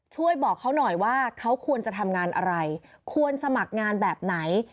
ช่วยบอกเขาหน่อยว่าเขาควรจะทำงานอะไรควรสมัครงานแบบไหน